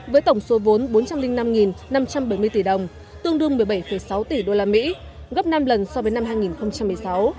với tổng số vốn bốn trăm linh năm năm trăm bảy mươi tỷ đồng tương đương một mươi bảy sáu tỷ usd gấp năm lần so với năm hai nghìn một mươi sáu